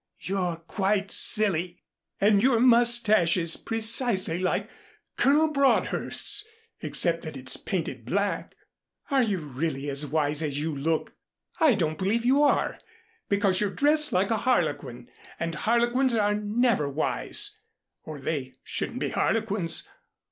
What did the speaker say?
You're quite silly. And your moustache is precisely like Colonel Broadhurst's, except that it's painted black. Are you really as wise as you look? I don't believe you are, because you're dressed like a harlequin, and harlequins are never wise, or they shouldn't be harlequins.